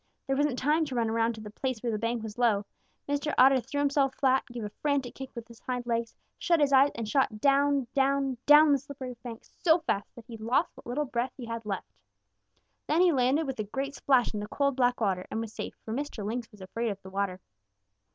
There wasn't time to run around to the place where the bank was low. Mr. Otter threw himself flat, gave a frantic kick with his hind legs, shut his eyes, and shot down, down, down the slippery bank so fast that he lost what little breath he had left. Then he landed with a great splash in the cold, black water and was safe, for Mr. Lynx was afraid of the water.